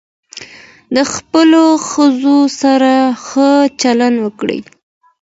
له خپلو ښځو سره ښه چلند وکړئ.